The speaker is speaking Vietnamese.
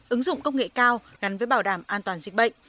ứng dụng công nghệ cao gắn với bảo đảm an toàn dịch bệnh